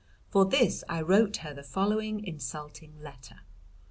For this I wrote her the following insulting letter.